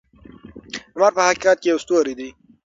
لمر په حقیقت کې یو ستوری دی.